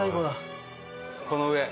この上。